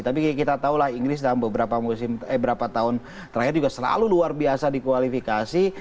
tapi kita tahu lah inggris dalam beberapa tahun terakhir juga selalu luar biasa di kualifikasi